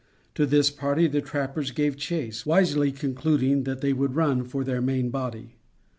To this party the trappers gave chase, wisely concluding they would run for their main body.